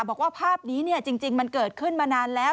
บอกว่าภาพนี้จริงมันเกิดขึ้นมานานแล้ว